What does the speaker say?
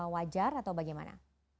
wajar atau bagaimana